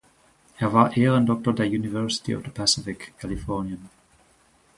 Er war Ehrendoktor der University of the Pacific (Kalifornien).